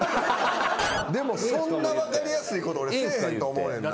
でもそんな分かりやすいことせえへんと思うねんな。